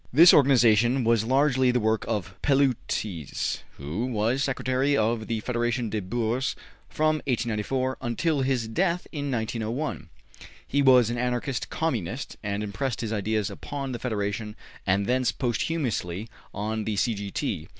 This organization was largely the work of Pellouties, who was Secretary of the Federation des Bourses from 1894 until his death in 1901. He was an Anarchist Communist and impressed his ideas upon the Federation and thence posthumously on the C. G.